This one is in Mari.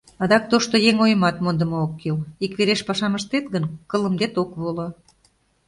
Адак тошто еҥ ойымат мондымо ок кӱл: «Иквереш пашам ыштет гын, кылымдет ок воло».